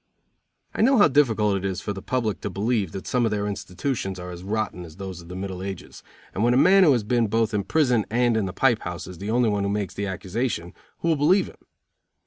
I know how difficult it is for the public to believe that some of their institutions are as rotten as those of the Middle Ages; and when a man who has been both in prison and in the pipe house is the one who makes the accusation, who will believe him?